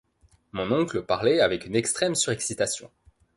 Mon oncle parlait avec une extrême surexcitation.